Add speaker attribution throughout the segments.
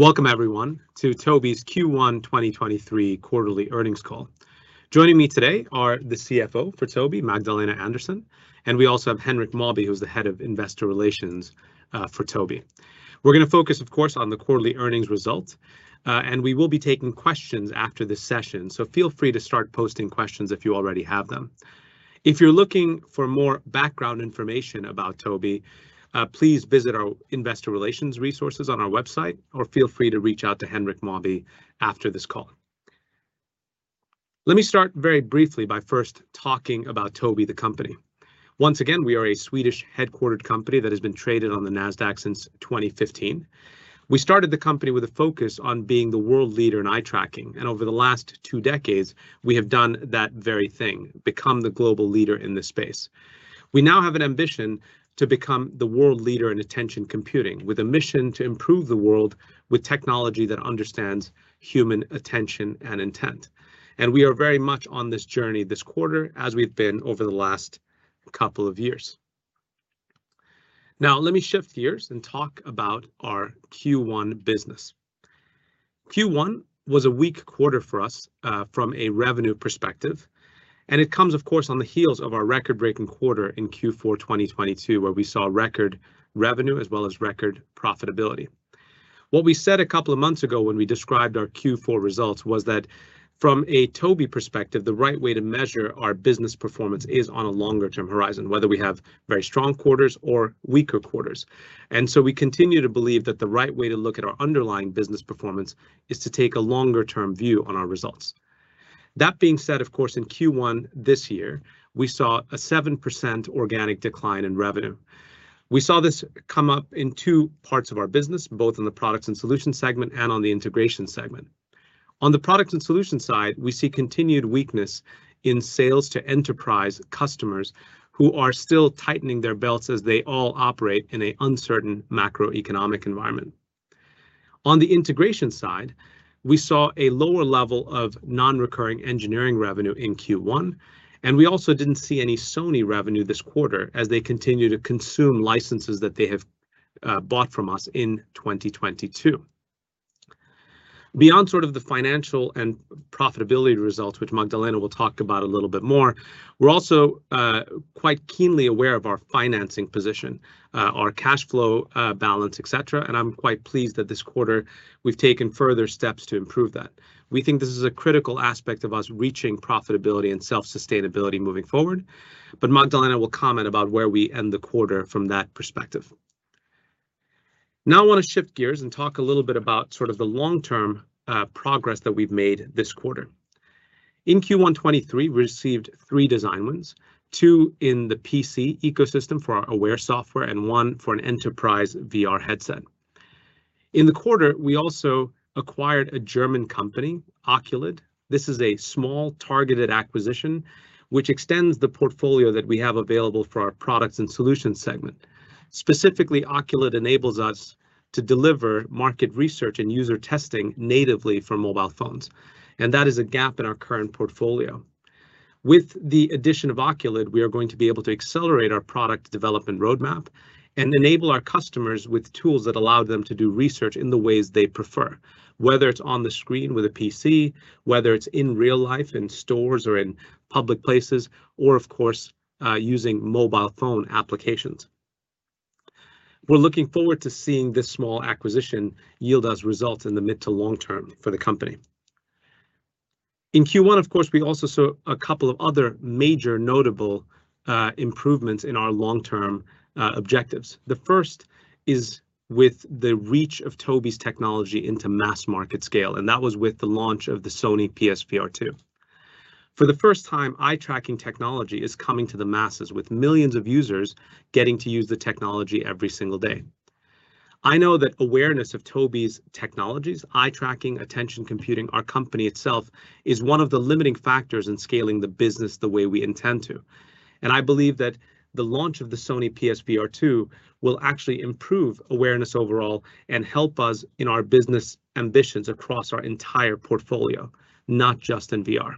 Speaker 1: Welcome everyone to Tobii's Q1 2023 quarterly earnings call. Joining me today are the CFO for Tobii, Magdalena Andersson, and we also have Henrik Mawby, who's the head of investor relations for Tobii. We're gonna focus of course on the quarterly earnings results. We will be taking questions after this session. Feel free to start posting questions if you already have them. If you're looking for more background information about Tobii, please visit our investor relations resources on our website, or feel free to reach out to Henrik Mawby after this call. Let me start very briefly by first talking about Tobii the company. Once again, we are a Swedish headquartered company that has been traded on the Nasdaq since 2015. We started the company with a focus on being the world leader in eye tracking, and over the last two decades we have done that very thing, become the global leader in this space. We now have an ambition to become the world leader in attention computing with a mission to improve the world with technology that understands human attention and intent. We are very much on this journey this quarter as we've been over the last couple of years. Now let me shift gears and talk about our Q1 business. Q1 was a weak quarter for us from a revenue perspective, and it comes of course on the heels of our record-breaking quarter in Q4 2022, where we saw record revenue as well as record profitability. What we said a couple of months ago when we described our Q4 results was that from a Tobii perspective, the right way to measure our business performance is on a longer term horizon, whether we have very strong quarters or weaker quarters. We continue to believe that the right way to look at our underlying business performance is to take a longer term view on our results. That being said, of course, in Q1 this year, we saw a 7% organic decline in revenue. We saw this come up in two parts of our business, both in the Products and Solutions segment and on the Integrations segment. On the Products and Solutions side, we see continued weakness in sales to enterprise customers who are still tightening their belts as they all operate in a uncertain macroeconomic environment. On the integration side, we saw a lower level of non-recurring engineering revenue in Q1, and we also didn't see any Sony revenue this quarter as they continue to consume licenses that they have bought from us in 2022. Beyond sort of the financial and profitability results, which Magdalena will talk about a little bit more, we're also quite keenly aware of our financing position, our cash flow, balance, et cetera, and I'm quite pleased that this quarter we've taken further steps to improve that. We think this is a critical aspect of us reaching profitability and self-sustainability moving forward, but Magdalena will comment about where we end the quarter from that perspective. Now I wanna shift gears and talk a little bit about sort of the long-term progress that we've made this quarter. In Q1 2023, we received three design wins, two in the PC ecosystem for our Aware software and one for an enterprise VR headset. In the quarter, we also acquired a German company, Oculid. This is a small targeted acquisition which extends the portfolio that we have available for our Products and Solutions segment. Specifically, Oculid enables us to deliver market research and user testing natively for mobile phones. That is a gap in our current portfolio. With the addition of Oculid, we are going to be able to accelerate our product development roadmap and enable our customers with tools that allow them to do research in the ways they prefer, whether it's on the screen with a PC, whether it's in real life in stores or in public places, or of course, using mobile phone applications. We're looking forward to seeing this small acquisition yield us results in the mid to long term for the company. In Q1, of course, we also saw a couple of other major notable improvements in our long-term objectives. The first is with the reach of Tobii's technology into mass market scale, and that was with the launch of the Sony PS VR2. For the first time, eye tracking technology is coming to the masses with millions of users getting to use the technology every single day. I know that awareness of Tobii's technologies, eye tracking, attention computing, our company itself, is one of the limiting factors in scaling the business the way we intend to, and I believe that the launch of the Sony PS VR2 will actually improve awareness overall and help us in our business ambitions across our entire portfolio, not just in VR.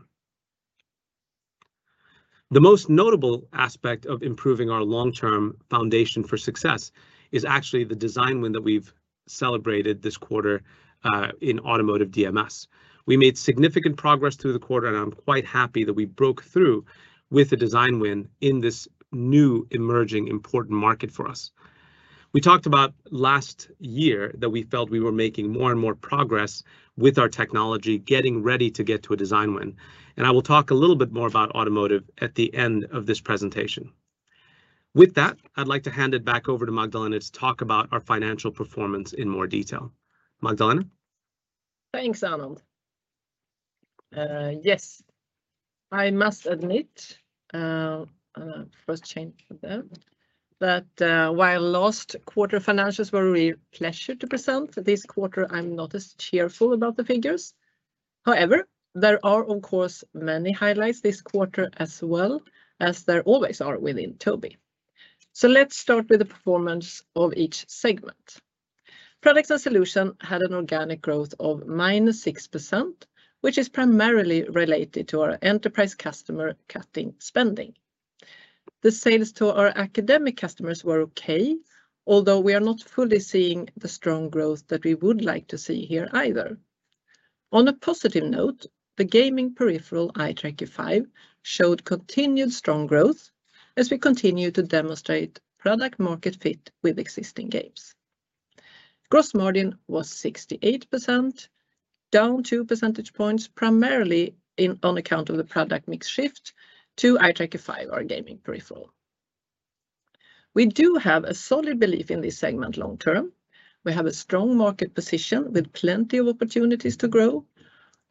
Speaker 1: The most notable aspect of improving our long-term foundation for success is actually the design win that we've celebrated this quarter, in automotive DMS. We made significant progress through the quarter, and I'm quite happy that we broke through with a design win in this new emerging important market for us. We talked about last year that we felt we were making more and more progress with our technology, getting ready to get to a design win, and I will talk a little bit more about automotive at the end of this presentation. With that, I'd like to hand it back over to Magdalena to talk about our financial performance in more detail. Magdalena?
Speaker 2: Thanks, Anand. Yes. I must admit, first change for them, that while last quarter financials were a real pleasure to present, this quarter I'm not as cheerful about the figures. However, there are of course many highlights this quarter as well, as there always are within Tobii. Let's start with the performance of each segment. Products and Solution had an organic growth of -6%, which is primarily related to our enterprise customer cutting spending. The sales to our academic customers were okay, although we are not fully seeing the strong growth that we would like to see here either. On a positive note, the gaming peripheral Eye Tracker 5 showed continued strong growth as we continue to demonstrate product market fit with existing games. Gross margin was 68%, down 2 percentage points, primarily in, on account of the product mix shift to Eye Tracker 5, our gaming peripheral. We do have a solid belief in this segment long term. We have a strong market position with plenty of opportunities to grow,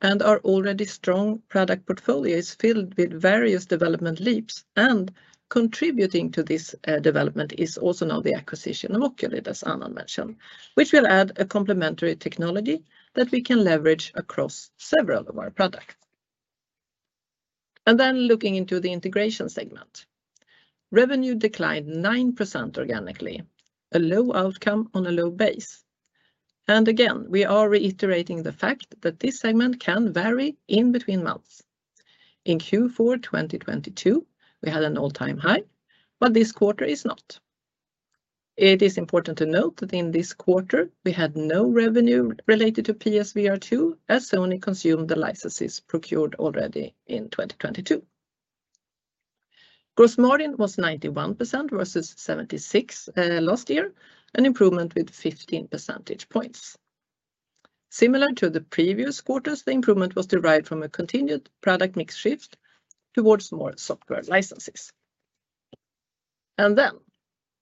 Speaker 2: and our already strong product portfolio is filled with various development leaps, and contributing to this development is also now the acquisition of Oculid, as Anand mentioned, which will add a complementary technology that we can leverage across several of our products. Looking into the integration segment. Revenue declined 9% organically, a low outcome on a low base. Again, we are reiterating the fact that this segment can vary in between months. In Q4 2022, we had an all-time high, but this quarter is not. It is important to note that in this quarter, we had no revenue related to PS VR2 as Sony consumed the licenses procured already in 2022. Gross margin was 91% versus 76% last year, an improvement with 15 percentage points. Similar to the previous quarters, the improvement was derived from a continued product mix shift towards more software licenses.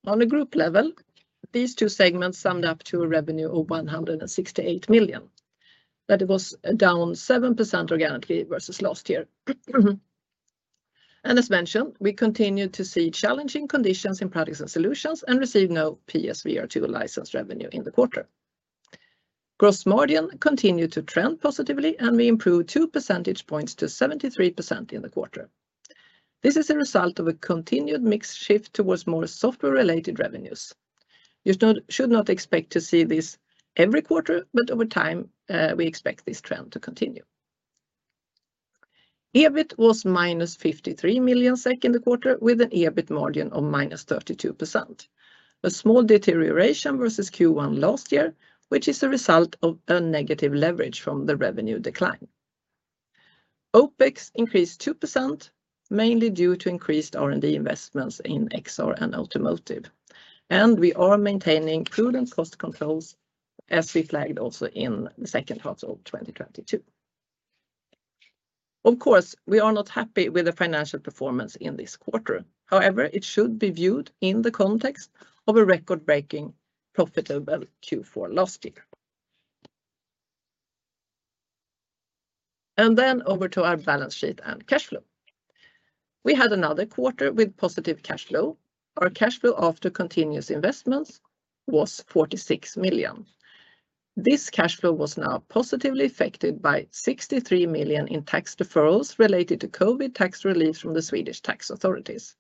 Speaker 2: On a group level, these two segments summed up to a revenue of 168 million. That was down 7% organically versus last year. As mentioned, we continued to see challenging conditions in Products and Solutions and received no PS VR2 license revenue in the quarter. Gross margin continued to trend positively, and we improved 2 percentage points to 73% in the quarter. This is a result of a continued mix shift towards more software-related revenues. You should not expect to see this every quarter, over time, we expect this trend to continue. EBIT was -53 million SEK in the quarter, with an EBIT margin of -32%. A small deterioration versus Q1 last year, which is a result of a negative leverage from the revenue decline. OPEX increased 2%, mainly due to increased R&D investments in XR and automotive. We are maintaining prudent cost controls as we flagged also in the second half of 2022. Of course, we are not happy with the financial performance in this quarter. It should be viewed in the context of a record-breaking profitable Q4 last year. Over to our balance sheet and cash flow. We had another quarter with positive cash flow. Our cash flow after continuous investments was 46 million. This cash flow was now positively affected by 63 million in tax deferrals related to COVID tax relief from the Swedish tax authorities.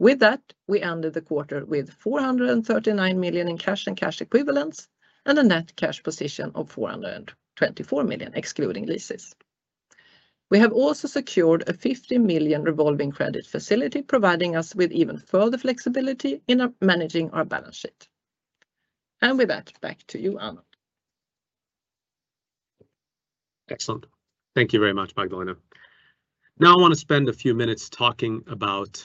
Speaker 2: With that, we ended the quarter with 439 million in cash and cash equivalents and a net cash position of 424 million, excluding leases. We have also secured a 50 million revolving credit facility, providing us with even further flexibility in managing our balance sheet. With that, back to you, Anand.
Speaker 1: Excellent. Thank you very much, Magdalena. I want to spend a few minutes talking about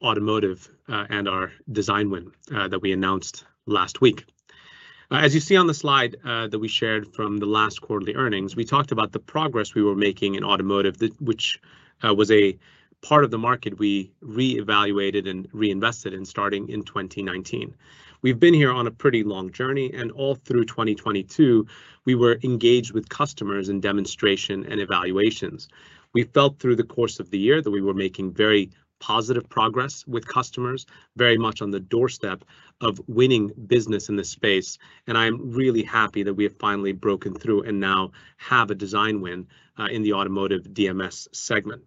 Speaker 1: automotive and our design win that we announced last week. As you see on the slide that we shared from the last quarterly earnings, we talked about the progress we were making in automotive, which was a part of the market we re-evaluated and reinvested in starting in 2019. We've been here on a pretty long journey, and all through 2022, we were engaged with customers in demonstration and evaluations. We felt through the course of the year that we were making very positive progress with customers, very much on the doorstep of winning business in this space, and I'm really happy that we have finally broken through and now have a design win in the automotive DMS segment.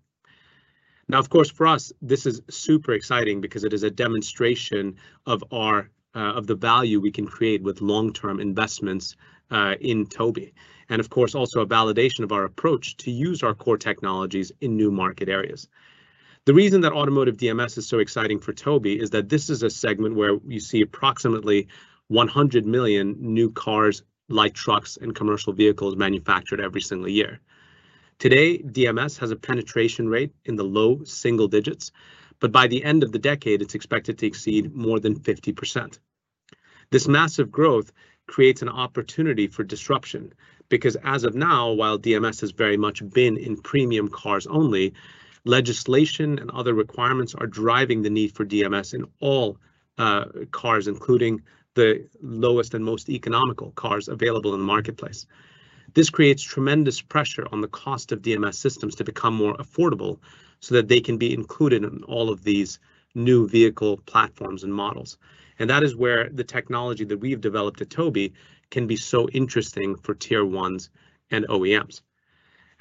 Speaker 1: Of course, for us, this is super exciting because it is a demonstration of our of the value we can create with long-term investments in Tobii, and of course, also a validation of our approach to use our core technologies in new market areas. The reason that automotive DMS is so exciting for Tobii is that this is a segment where you see approximately 100 million new cars, light trucks, and commercial vehicles manufactured every single year. Today, DMS has a penetration rate in the low single digits, but by the end of the decade, it's expected to exceed more than 50%. This massive growth creates an opportunity for disruption because as of now, while DMS has very much been in premium cars only, legislation and other requirements are driving the need for DMS in all cars, including the lowest and most economical cars available in the marketplace. This creates tremendous pressure on the cost of DMS systems to become more affordable so that they can be included in all of these new vehicle platforms and models. That is where the technology that we've developed at Tobii can be so interesting for tier ones and OEMs.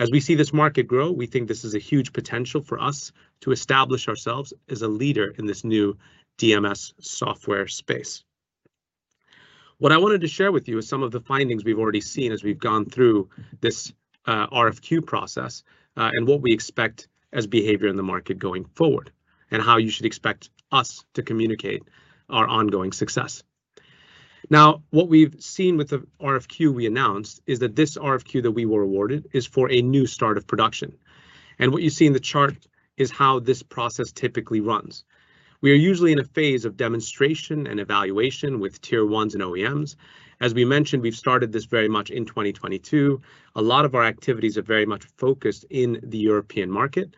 Speaker 1: As we see this market grow, we think this is a huge potential for us to establish ourselves as a leader in this new DMS software space. What I wanted to share with you is some of the findings we've already seen as we've gone through this RFQ process and what we expect as behavior in the market going forward, and how you should expect us to communicate our ongoing success. Now, what we've seen with the RFQ we announced is that this RFQ that we were awarded is for a new start of production. What you see in the chart is how this process typically runs. We are usually in a phase of demonstration and evaluation with tier ones and OEMs. As we mentioned, we've started this very much in 2022. A lot of our activities are very much focused in the European market.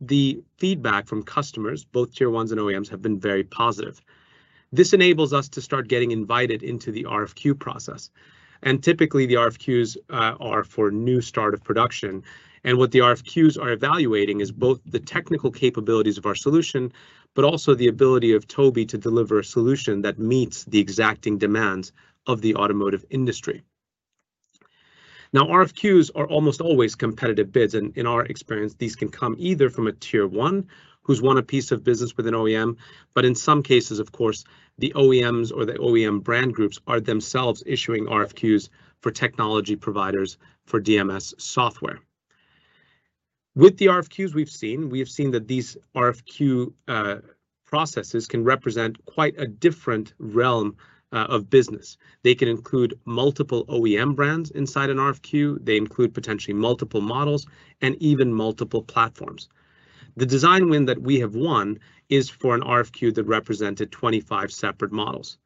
Speaker 1: The feedback from customers, both tier ones and OEMs, have been very positive. This enables us to start getting invited into the RFQ process. Typically, the RFQs are for new start of production. What the RFQs are evaluating is both the technical capabilities of our solution, but also the ability of Tobii to deliver a solution that meets the exacting demands of the automotive industry. Now, RFQs are almost always competitive bids, and in our experience, these can come either from a tier one who's won a piece of business with an OEM, but in some cases, of course, the OEMs or the OEM brand groups are themselves issuing RFQs for technology providers for DMS software. With the RFQs we've seen, we have seen that these RFQ processes can represent quite a different realm of business. They can include multiple OEM brands inside an RFQ. They include potentially multiple models and even multiple platforms. The design win that we have won is for an RFQ that represented 25 separate models.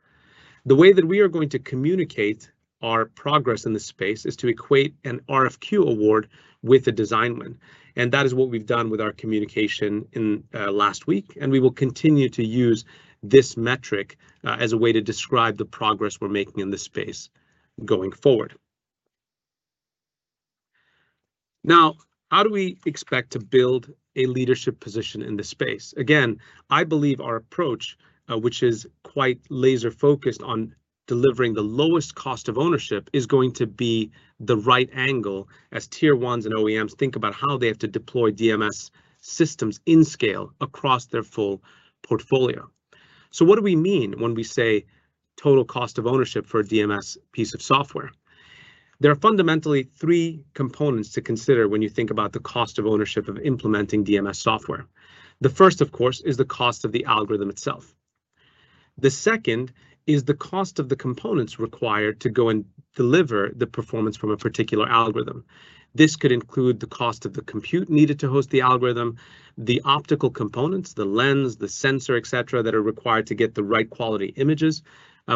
Speaker 1: The way that we are going to communicate our progress in this space is to equate an RFQ award with a design win. That is what we've done with our communication in last week, and we will continue to use this metric as a way to describe the progress we're making in this space going forward. Now, how do we expect to build a leadership position in this space? Again, I believe our approach, which is quite laser-focused on delivering the lowest cost of ownership, is going to be the right angle as tier ones and OEMs think about how they have to deploy DMS systems in scale across their full portfolio. What do we mean when we say total cost of ownership for a DMS piece of software? There are fundamentally three components to consider when you think about the cost of ownership of implementing DMS software. The first, of course, is the cost of the algorithm itself. The second is the cost of the components required to go and deliver the performance from a particular algorithm. This could include the cost of the compute needed to host the algorithm, the optical components, the lens, the sensor, etc., that are required to get the right quality images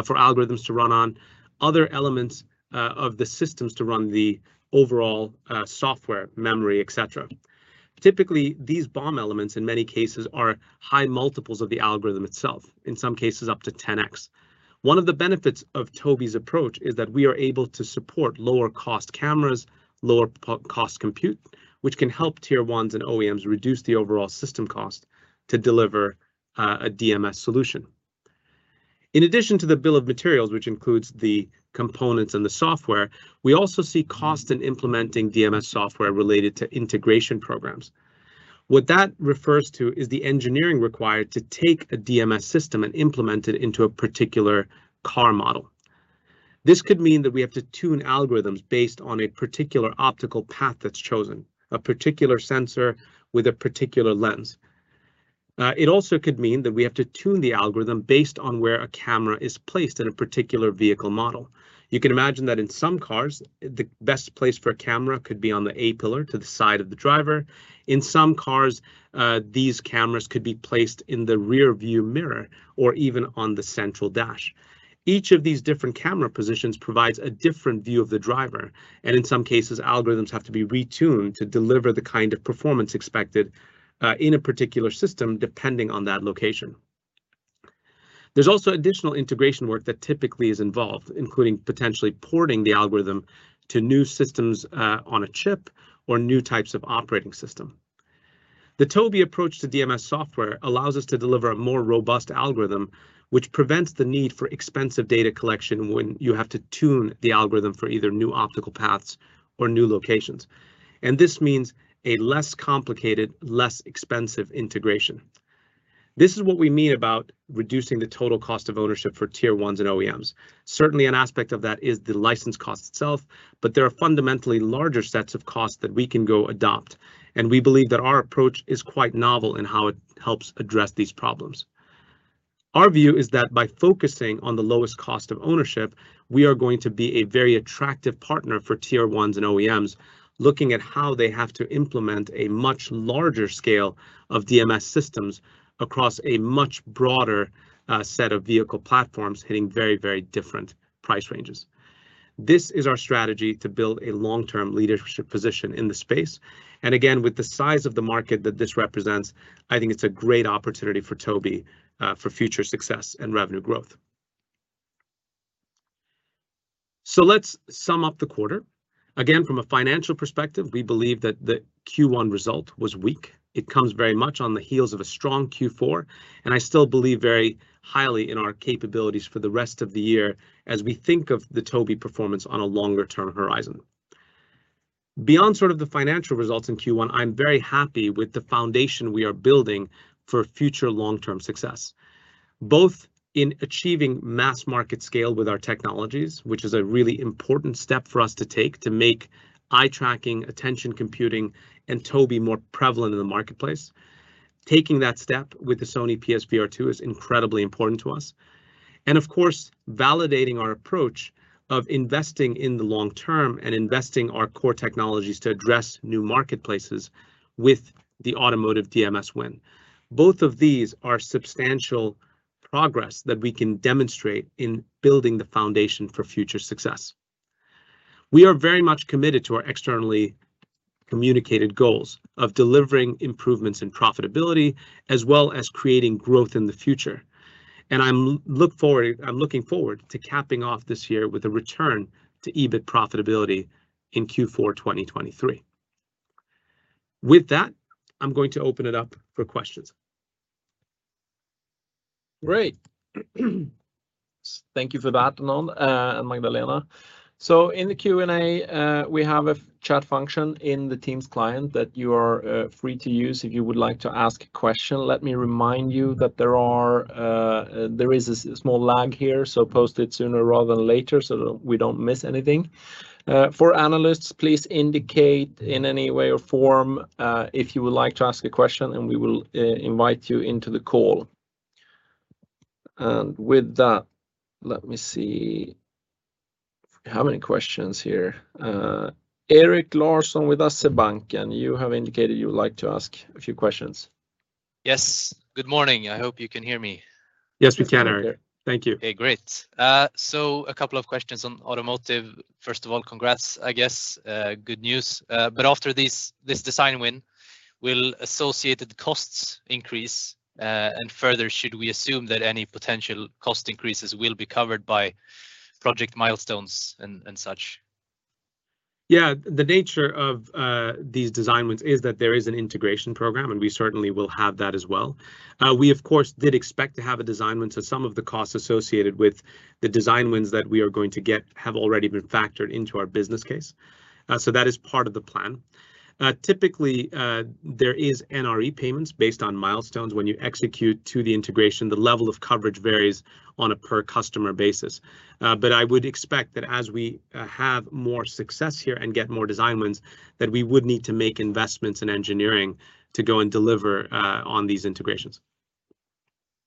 Speaker 1: for algorithms to run on, other elements of the systems to run the overall software, memory, etc. Typically, these BOM elements in many cases are high multiples of the algorithm itself, in some cases up to 10x. One of the benefits of Tobii's approach is that we are able to support lower cost cameras, lower cost compute, which can help tier ones and OEMs reduce the overall system cost to deliver a DMS solution. In addition to the bill of materials, which includes the components and the software, we also see cost in implementing DMS software related to integration programs. What that refers to is the engineering required to take a DMS system and implement it into a particular car model. This could mean that we have to tune algorithms based on a particular optical path that's chosen, a particular sensor with a particular lens. It also could mean that we have to tune the algorithm based on where a camera is placed in a particular vehicle model. You can imagine that in some cars, the best place for a camera could be on the A-pillar to the side of the driver. In some cars, these cameras could be placed in the rearview mirror or even on the central dash. Each of these different camera positions provides a different view of the driver, and in some cases, algorithms have to be retuned to deliver the kind of performance expected in a particular system, depending on that location. There's also additional integration work that typically is involved, including potentially porting the algorithm to new systems on a chip or new types of operating system. The Tobii approach to DMS software allows us to deliver a more robust algorithm, which prevents the need for expensive data collection when you have to tune the algorithm for either new optical paths or new locations. This means a less complicated, less expensive integration. This is what we mean about reducing the total cost of ownership for tier ones and OEMs. Certainly, an aspect of that is the license cost itself, but there are fundamentally larger sets of costs that we can go adopt. We believe that our approach is quite novel in how it helps address these problems. Our view is that by focusing on the lowest cost of ownership, we are going to be a very attractive partner for tier ones and OEMs, looking at how they have to implement a much larger scale of DMS systems across a much broader set of vehicle platforms hitting very, very different price ranges. This is our strategy to build a long-term leadership position in the space. Again, with the size of the market that this represents, I think it's a great opportunity for Tobii for future success and revenue growth. Let's sum up the quarter. Again, from a financial perspective, we believe that the Q1 result was weak. It comes very much on the heels of a strong Q4, and I still believe very highly in our capabilities for the rest of the year as we think of the Tobii performance on a longer-term horizon. Beyond sort of the financial results in Q1, I'm very happy with the foundation we are building for future long-term success, both in achieving mass market scale with our technologies, which is a really important step for us to take to make eye tracking, attention computing, and Tobii more prevalent in the marketplace. Taking that step with the Sony PS VR2 is incredibly important to us. Of course, validating our approach of investing in the long term and investing our core technologies to address new marketplaces with the automotive DMS win. Both of these are substantial progress that we can demonstrate in building the foundation for future success. We are very much committed to our externally communicated goals of delivering improvements in profitability, as well as creating growth in the future. I'm looking forward to capping off this year with a return to EBIT profitability in Q4 2023. With that, I'm going to open it up for questions.
Speaker 3: Great. Thank you for that, Anand, and Magdalena. In the Q&A, we have a chat function in the Teams client that you are free to use if you would like to ask a question. Let me remind you that there is a small lag here, so post it sooner rather than later, so that we don't miss anything. For analysts, please indicate in any way or form, if you would like to ask a question, and we will invite you into the call. With that, let me see how many questions here. Erik Larsson with SEB, and you have indicated you would like to ask a few questions.
Speaker 4: Yes. Good morning. I hope you can hear me.
Speaker 3: Yes, we can, Erik.
Speaker 1: We can hear you.
Speaker 3: Thank you.
Speaker 4: Okay, great. A couple of questions on automotive. First of all, congrats, I guess, good news. After this design win, will associated costs increase? Further, should we assume that any potential cost increases will be covered by project milestones and such?
Speaker 1: Yeah. The nature of these design wins is that there is an integration program, and we certainly will have that as well. We of course, did expect to have a design win, so some of the costs associated with the design wins that we are going to get have already been factored into our business case. That is part of the plan. Typically, there is NRE payments based on milestones when you execute to the integration. The level of coverage varies on a per customer basis. I would expect that as we have more success here and get more design wins, that we would need to make investments in engineering to go and deliver on these integrations.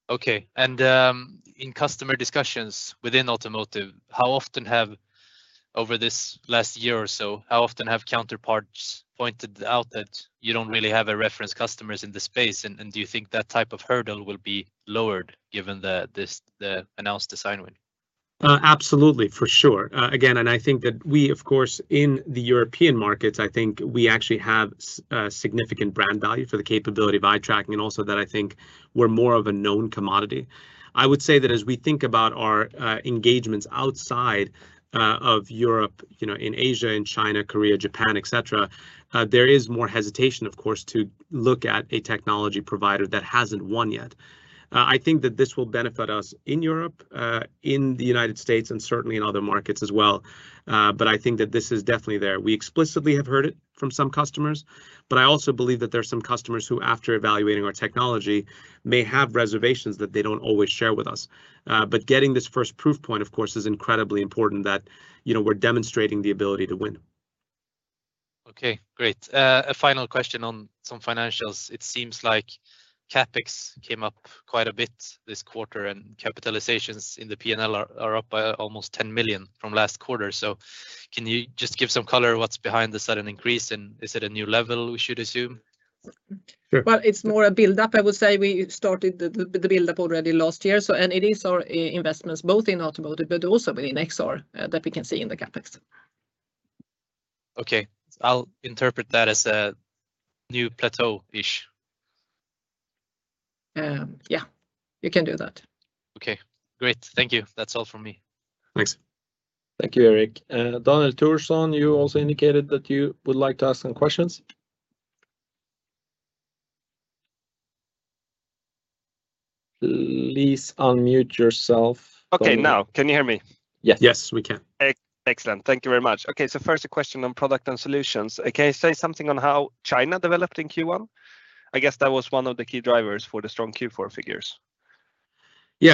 Speaker 4: Okay. In customer discussions within automotive, how often have, over this last year or so, counterparts pointed out that you don't really have a reference customers in the space? Do you think that type of hurdle will be lowered given this, the announced design win?
Speaker 1: Absolutely, for sure. Again, I think that we, of course, in the European markets, I think we actually have significant brand value for the capability of eye tracking and also that I think we're more of a known commodity. I would say that as we think about our engagements outside of Europe, you know, in Asia, in China, Korea, Japan, et cetera, there is more hesitation, of course, to look at a technology provider that hasn't won yet. I think that this will benefit us in Europe, in the United States and certainly in other markets as well. I think that this is definitely there. We explicitly have heard it from some customers, but I also believe that there are some customers who, after evaluating our technology, may have reservations that they don't always share with us. Getting this first proof point, of course, is incredibly important that, you know, we're demonstrating the ability to win.
Speaker 4: Okay, great. A final question on some financials. It seems like CapEx came up quite a bit this quarter, and capitalizations in the PNL are up by almost 10 million from last quarter. Can you just give some color what's behind the sudden increase, and is it a new level, we should assume?
Speaker 1: Sure.
Speaker 2: Well, it's more a build-up. I would say we started the build-up already last year. It is our investments, both in automotive, but also within XR, that we can see in the CapEx.
Speaker 4: Okay. I'll interpret that as a new plateau-ish.
Speaker 2: Yeah. You can do that.
Speaker 4: Okay, great. Thank you. That's all from me.
Speaker 1: Thanks.
Speaker 3: Thank you, Erik. Daniel Thorsson, you also indicated that you would like to ask some questions. Please unmute yourself.
Speaker 5: Okay, now can you hear me?
Speaker 3: Yes.
Speaker 1: Yes, we can.
Speaker 5: Excellent. Thank you very much. Okay, first a question on product and solutions. Can you say something on how China developed in Q1? I guess that was one of the key drivers for the strong Q4 figures.
Speaker 1: We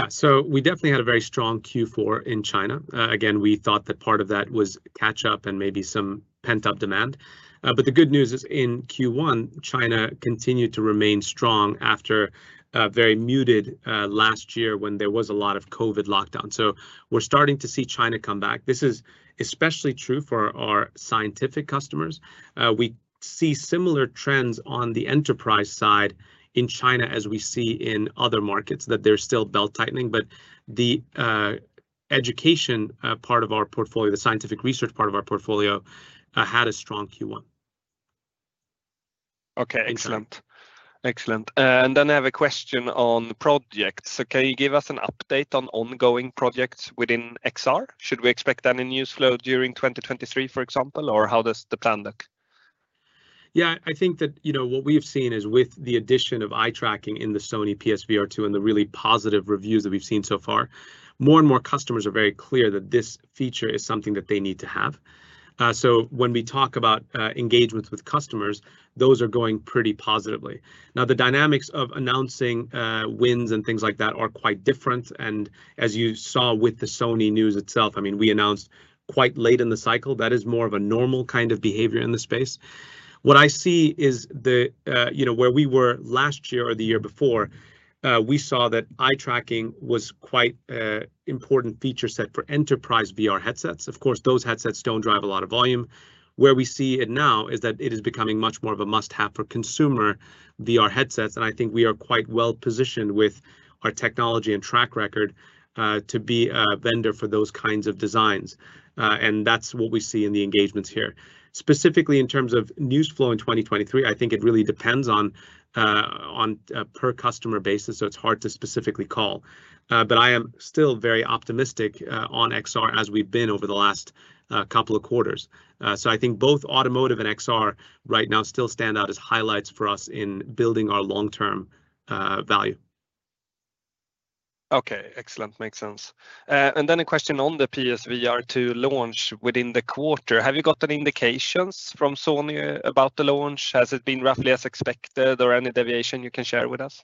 Speaker 1: definitely had a very strong Q4 in China. Again, we thought that part of that was catch-up and maybe some pent-up demand. The good news is in Q1, China continued to remain strong after a very muted last year when there was a lot of COVID lockdown. We're starting to see China come back. This is especially true for our scientific customers. We see similar trends on the enterprise side in China as we see in other markets, that there's still belt-tightening. The education part of our portfolio, the scientific research part of our portfolio had a strong Q1.
Speaker 5: Okay, excellent.
Speaker 1: Yeah.
Speaker 5: Excellent. I have a question on projects. Okay, give us an update on ongoing projects within XR. Should we expect any news flow during 2023, for example, or how does the plan look?
Speaker 1: Yeah, I think that, you know, what we've seen is with the addition of eye tracking in the Sony PS VR2 and the really positive reviews that we've seen so far, more and more customers are very clear that this feature is something that they need to have. When we talk about engagements with customers, those are going pretty positively. Now, the dynamics of announcing wins and things like that are quite different. As you saw with the Sony news itself, I mean, we announced quite late in the cycle, that is more of a normal kind of behavior in the space. What I see is the, you know, where we were last year or the year before, we saw that eye tracking was quite important feature set for enterprise VR headsets. Of course, those headsets don't drive a lot of volume. Where we see it now is that it is becoming much more of a must-have for consumer VR headsets. I think we are quite well-positioned with our technology and track record to be a vendor for those kinds of designs. That's what we see in the engagements here. Specifically, in terms of news flow in 2023, I think it really depends on per customer basis, it's hard to specifically call. I am still very optimistic on XR as we've been over the last couple of quarters. I think both automotive and XR right now still stand out as highlights for us in building our long-term value.
Speaker 5: Okay, excellent. Makes sense. A question on the PS VR2 launch within the quarter. Have you got any indications from Sony about the launch? Has it been roughly as expected or any deviation you can share with us?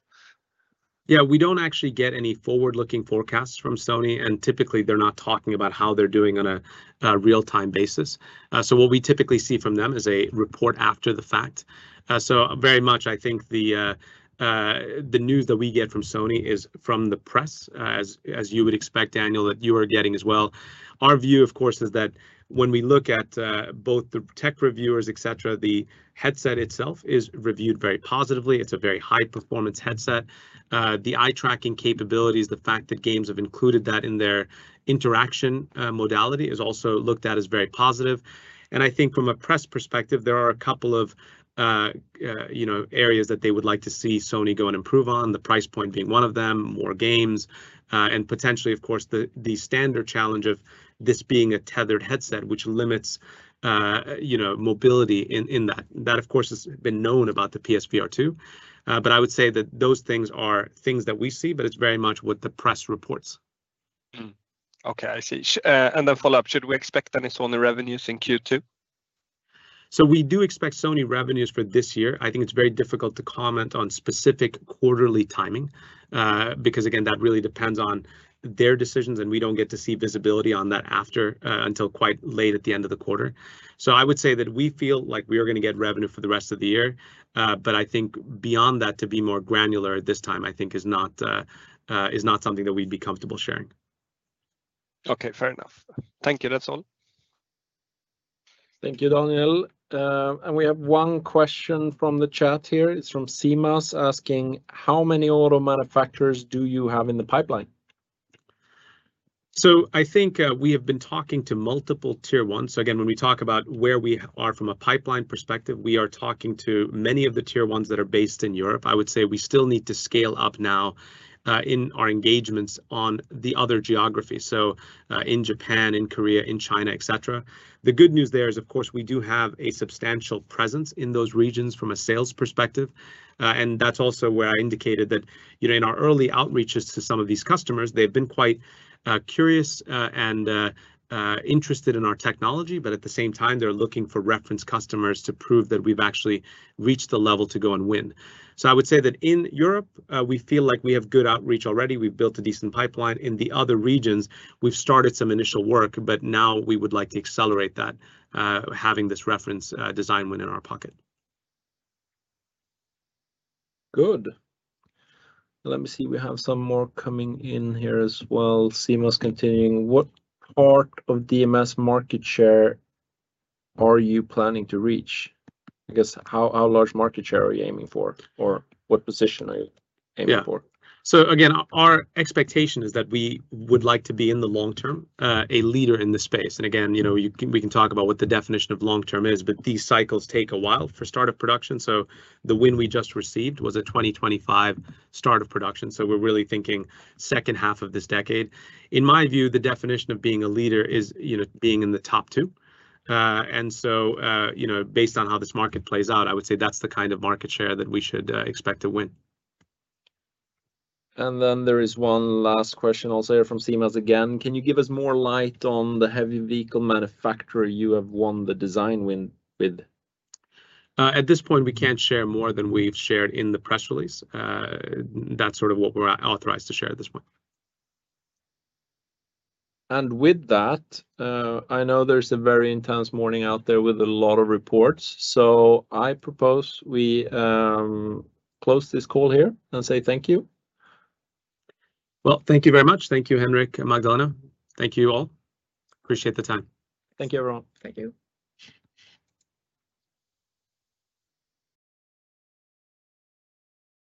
Speaker 1: Yeah, we don't actually get any forward-looking forecasts from Sony, and typically they're not talking about how they're doing on a real-time basis. What we typically see from them is a report after the fact. Very much I think the news that we get from Sony is from the press, as you would expect, Daniel, that you are getting as well. Our view, of course, is that when we look at both the tech reviewers, et cetera, the headset itself is reviewed very positively. It's a very high-performance headset. The eye-tracking capabilities, the fact that games have included that in their interaction, modality is also looked at as very positive. I think from a press perspective, there are a couple of, you know, areas that they would like to see Sony go and improve on, the price point being one of them, more games, and potentially of course, the standard challenge of this being a tethered headset, which limits, you know, mobility in that. That, of course, has been known about the PS VR2. I would say that those things are things that we see, but it's very much what the press reports.
Speaker 5: Okay, I see. Follow-up, should we expect any Sony revenues in Q2?
Speaker 1: We do expect Sony revenues for this year. I think it's very difficult to comment on specific quarterly timing, because again, that really depends on their decisions, and we don't get to see visibility on that after, until quite late at the end of the quarter. I would say that we feel like we are gonna get revenue for the rest of the year. But I think beyond that to be more granular at this time, I think is not, is not something that we'd be comfortable sharing.
Speaker 5: Okay, fair enough. Thank you. That's all.
Speaker 3: Thank you, Daniel. We have one question from the chat here. It's from Seamus asking, "How many auto manufacturers do you have in the pipeline?
Speaker 1: I think, we have been talking to multiple tier ones. Again, when we talk about where we are from a pipeline perspective, we are talking to many of the tier ones that are based in Europe. I would say we still need to scale up now, in our engagements on the other geographies, in Japan, in Korea, in China, et cetera. The good news there is, of course, we do have a substantial presence in those regions from a sales perspective. And that's also where I indicated that, you know, in our early outreaches to some of these customers, they've been quite curious, and interested in our technology. At the same time, they're looking for reference customers to prove that we've actually reached the level to go and win. I would say that in Europe, we feel like we have good outreach already. We've built a decent pipeline. In the other regions, we've started some initial work, but now we would like to accelerate that, having this reference, design win in our pocket.
Speaker 3: Good. Let me see. We have some more coming in here as well. Seamus continuing, "What part of DMS market share are you planning to reach?" I guess, how large market share are you aiming for, or what position are you aiming for?
Speaker 1: Yeah. Again, our expectation is that we would like to be in the long term, a leader in this space. Again, you know, we can talk about what the definition of long term is, but these cycles take a while for start of production. The win we just received was a 2025 start of production, we're really thinking second half of this decade. In my view, the definition of being a leader is, you know, being in the top two. You know, based on how this market plays out, I would say that's the kind of market share that we should expect to win.
Speaker 3: There is one last question also here from Seamus again. "Can you give us more light on the heavy vehicle manufacturer you have won the design win with?
Speaker 1: At this point, we can't share more than we've shared in the press release. That's sort of what we're authorized to share at this point.
Speaker 3: With that, I know there's a very intense morning out there with a lot of reports, so I propose we close this call here and say thank you.
Speaker 1: Well, thank you very much. Thank you, Henrik and Magdalena. Thank you, all. Appreciate the time.
Speaker 3: Thank you, everyone.
Speaker 2: Thank you.